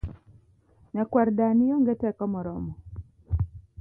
Nyakwar dani onge teko moromo